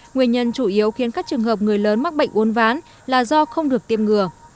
nguyên nhân chủ yếu khiến các trường hợp người lớn mắc bệnh uốn ván là do không được tiêm ngừa